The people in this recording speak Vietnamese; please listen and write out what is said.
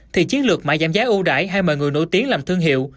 thì chiến lược mãi giảm giá ưu đải hay mời người nổi tiếng làm thương hiệu